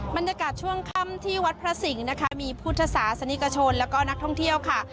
บรรยากาศช่วงค่ำที่วัดพระสิงห์นะคะมีพุทธศาสนิกชนแล้วก็นักท่องเที่ยวค่ะ